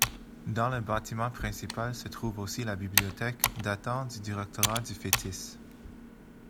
Dans le bâtiment principal se trouve aussi la bibliothèque, datant du directorat de Fétis.